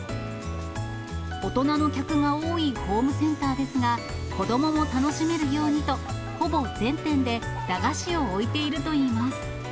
大人の客が多いホームセンターですが、子どもも楽しめるようにと、ほぼ全店で駄菓子を置いているといいます。